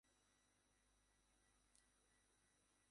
প্রতি শুক্রবারে মায়ের ব্রত করার নিয়ম।